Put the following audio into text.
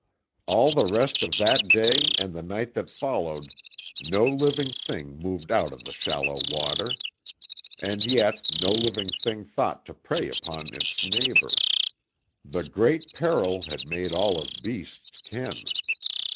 All the rest of that day and the night that followed no living thing moved out of the shallow water. And yet no living thing thought to prey upon its neighbour. The great peril had made of all beasts kin.